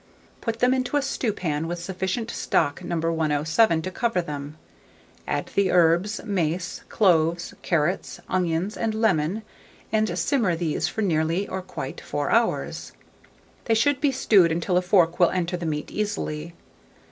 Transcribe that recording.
Put them into a stewpan, with sufficient stock, No. 107, to cover them; add the herbs, mace, cloves, carrots, onions, and lemon, and simmer these for nearly, or quite, 4 hours. They should be stewed until a fork will enter the meat easily.